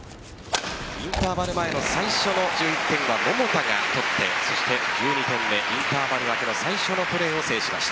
インターバル前の最初の１１点は桃田が取って１２点目、インターバル明けの最初のプレーを制しました。